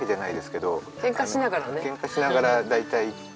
けんかしながら大体。